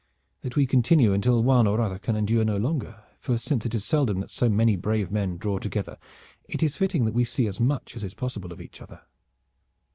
"That we continue until one or other can endure no longer, for since it is seldom that so many brave men draw together it is fitting that we see as much as is possible of each other."